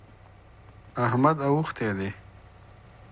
احمد اوښتی دی.